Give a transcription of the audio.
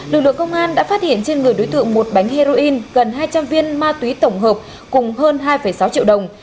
lực lượng công an đã phát hiện trên người đối tượng một bánh heroin gần hai trăm linh viên ma túy tổng hợp cùng hơn hai sáu triệu đồng